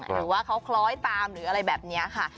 หรือว่าเขาคล้อยตามหรืออะไรแบบนี้ค่ะ